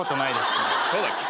そうだっけ。